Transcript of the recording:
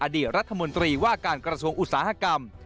อดีตรัฐมนตรีว่าการกระทรวงอุตสาหกรรม